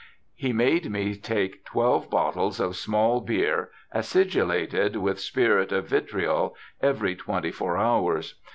He made me take twelve bottles of small beer acidulated with spirit of vitriol every twenty four hours.'